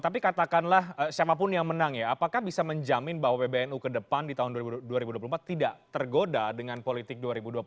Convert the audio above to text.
tapi katakanlah siapapun yang menang ya apakah bisa menjamin bahwa pbnu ke depan di tahun dua ribu dua puluh empat tidak tergoda dengan politik dua ribu dua puluh empat